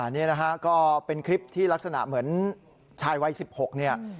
อันนี้ก็เป็นคลิปที่ลักษณะเหมือนชายวัย๑๖